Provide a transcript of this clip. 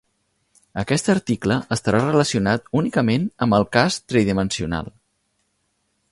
Aquest article estarà relacionat únicament amb el cas tridimensional.